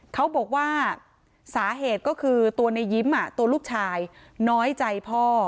เขาบอกว่าสาเหตุก็คือตัวในยิ้มตัวลูกชายน้อยใจพ่อ